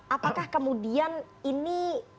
apakah kemudian ini